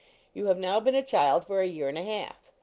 You have now been a child for a year and a half.